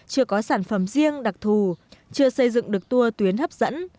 chưa có sản phẩm riêng đặc thù chưa xây dựng được tour tuyến hấp dẫn